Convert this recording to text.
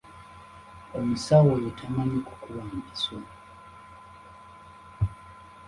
Omusawo oyo tamanyi kukuba mpiso.